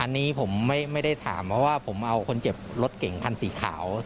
อันนี้ผมไม่ได้ถามเพราะว่าผมเอาคนเจ็บรถเก่งคันสีขาว